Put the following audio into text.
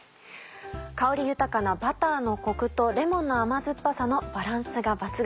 香り豊かなバターのコクとレモンの甘酸っぱさのバランスが抜群。